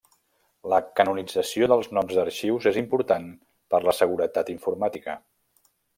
La canonització dels noms d'arxius és important per la seguretat informàtica.